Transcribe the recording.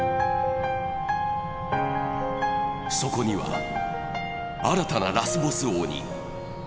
そこには、新たなラスボス鬼。